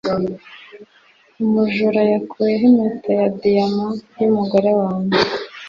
Umujura yakuyeho impeta ya diyama y'umugore wanjye.